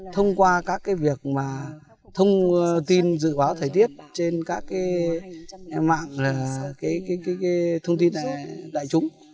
thông qua các việc thông tin dự báo thời tiết trên các mạng thông tin đại chúng